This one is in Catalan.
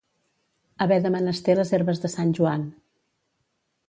Haver de menester les herbes de Sant Joan.